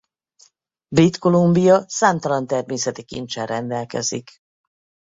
Brit Columbia számtalan természeti kinccsel rendelkezik.